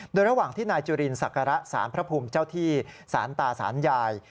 โดยระหว่างที่นายจุลินศักระสารพระภูมิเจ้าที่สารตาสารยาย